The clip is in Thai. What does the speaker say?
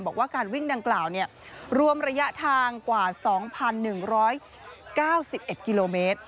บอกว่าการวิ่งดังกล่าวรวมระยะทางกว่า๒๑๙๑กิโลเมตร